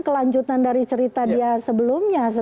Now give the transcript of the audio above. kelanjutan dari cerita dia sebelumnya